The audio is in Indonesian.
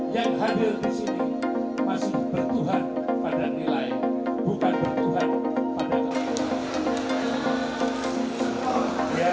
yang hadir di sini masih bertuhan pada nilai bukan bertuhan pada kebaikan